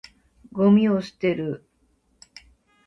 ゴミを捨てる。